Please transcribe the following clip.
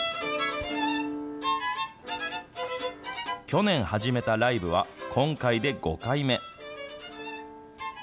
去年始めたライブは、今回で５回目。